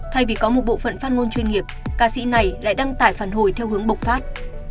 thay vì có một bộ phận phát ngôn chuyên nghiệp ca sĩ này lại đăng tải phản hồi theo hướng bộc phát